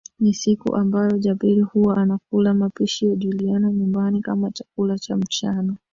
Ni siku ambayo Jabir huwa anakula mapishi ya Juliana nyumbani kama chakula cha mchana